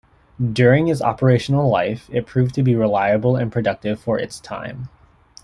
During its operational life it proved to be reliable and productive for its time.